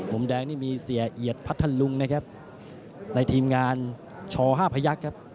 มุมแดงนี้มีเสียเอียดพระทรรุงนะครับในทีมงานช๕พครับ